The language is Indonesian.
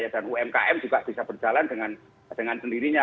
dan umkm juga bisa berjalan dengan sendirinya